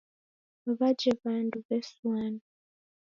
Waje wandu wesuana.